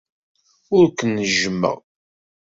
Ur ken-jjmeɣ.